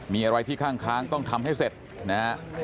มีอะไรที่ข้างต้องทำให้เสร็จนะฮะ